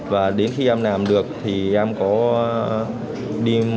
và đến khi em làm được thì em có đi